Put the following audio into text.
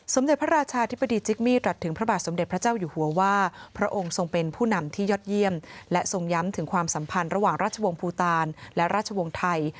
เด็จพระราชาธิบดีจิกมี่ตรัสถึงพระบาทสมเด็จพระเจ้าอยู่หัวว่าพระองค์ทรงเป็นผู้นำที่ยอดเยี่ยมและทรงย้ำถึงความสัมพันธ์ระหว่างราชวงศ์ภูตาลและราชวงศ์ไทย